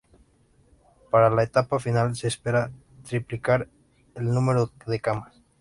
Para la etapa final se espera triplicar el número de camas.